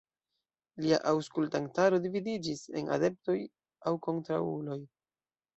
Lia aŭskultantaro dividiĝis en adeptoj aŭ kontraŭuloj.